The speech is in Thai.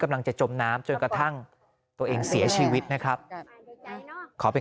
กำลังจะจมน้ำจนกระทั่งตัวเองเสียชีวิตนะครับขอเป็น